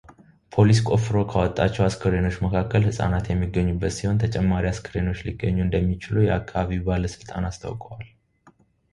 ፖሊስ ቆፍሮ ካወጣቸው አስክሬኖች መካከል ሕጻናት የሚገኙበት ሲሆን ተጨማሪ አስክሬኖች ሊገኙ እንደሚችሉ የአካባቢው ባለስልጣናት አስታውቀዋል።